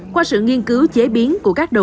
qua sự nghiên cứu chế biến của các đồ